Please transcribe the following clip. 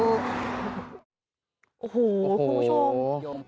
โอ้โหคุณผู้ชม